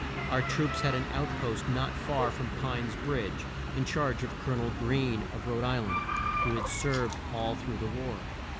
Our troops had an out post not far from Pine's Bridge, in charge of Col o nel Greene of Rhode Isl and, who had served all through the war.